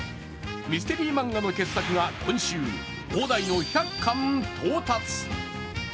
ミステリー漫画の傑作が今週、大台の１００巻到達。